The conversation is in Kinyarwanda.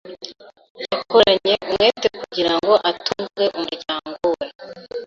Yakoranye umwete kugirango atunge umuryango we.